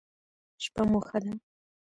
شپه مو ښه ده